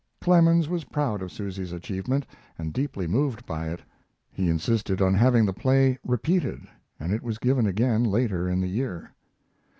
Clemens was proud of Susy's achievement, and deeply moved by it. He insisted on having the play repeated, and it was given again later in the year.